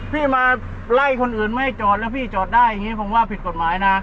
พี่มาไล่คนอื่นไม่ให้จอดแล้วพี่จอดได้อย่างนี้ผมว่าผิดกฎหมายนะ